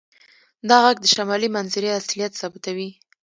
دا غږ د شمالي منظرې اصلیت ثابتوي